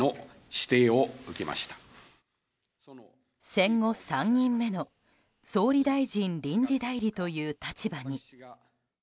戦後３人目の総理大臣臨時代理という立場に。